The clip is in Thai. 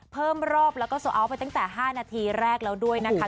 เพิ่มรอบแล้วก็โซอัลไปตั้งแต่๕นาทีแรกแล้วด้วยนะคะ